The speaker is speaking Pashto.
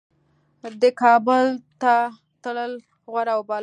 ده کابل ته تلل غوره وبلل.